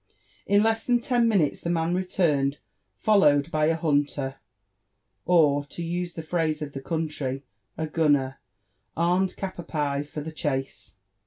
In less than ten minutes the man returned, followed by a hunter — or, to use the phrase of the country, a gunner — armed cap d pie for the chase.